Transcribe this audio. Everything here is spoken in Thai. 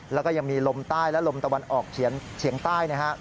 แล้วก็ยังมีลมใต้และลมตะวันออกเฉียงใต้นะครับ